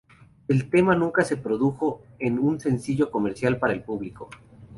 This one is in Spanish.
El tema nunca se produjo en un sencillo comercial para el público.